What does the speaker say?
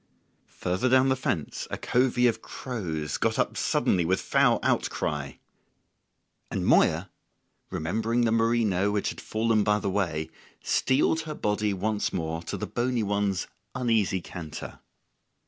Further down the fence a covey of crows got up suddenly with foul outry; and Moya, remembering the merino which had fallen by the way, steeled her body once more to the bony one's uneasy canter.